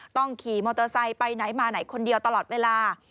ขี่มอเตอร์ไซค์ไปไหนมาไหนคนเดียวตลอดเวลา